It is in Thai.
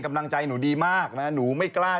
กำลังใจหนูดีมากนะหนูไม่กล้า